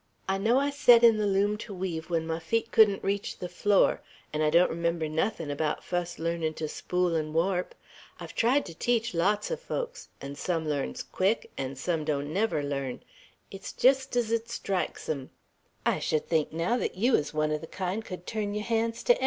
I know I set in the loom to weave when my feet couldn't reach the floor; an' I don't remember nothin' about fust learnin' to spool 'n' warp. I've tried to teach lots of folks; an' sum learns quick, an' some don't never learn; it's jest 's 't strikes 'em. I should think, naow, thet you wuz one o' the kind could turn yer hands to anythin'.